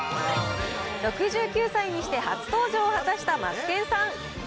６９歳にして初登場を果たしたマツケンさん。